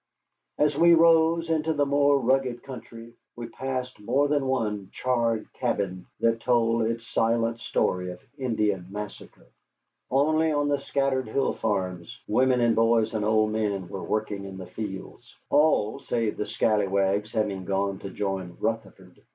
As we rose into the more rugged country we passed more than one charred cabin that told its silent story of Indian massacre. Only on the scattered hill farms women and boys and old men were working in the fields, all save the scalawags having gone to join Rutherford.